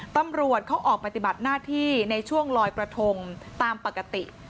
ตำรวจเขาออกปฏิบัติหน้าที่ในช่วงลอยกระทงตามปกติ